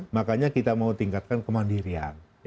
makanya kita mau tingkatkan kemandirian